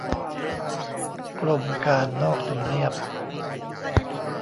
กรมการนอกทำเนียบ